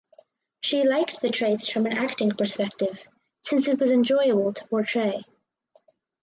She liked the traits from an acting perspective since it was enjoyable to portray.